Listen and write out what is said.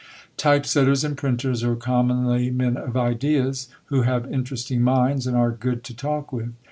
Type setters and printers are commonly men of ideas, who have interesting minds, and are good to talk with.